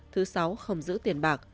thứ sáu không giữ tiền bạc